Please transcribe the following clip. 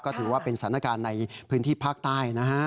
ก็ถือว่าเป็นสถานการณ์ในพื้นที่ภาคใต้นะฮะ